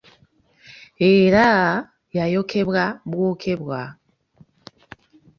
Era yayokebwa bwokebwa.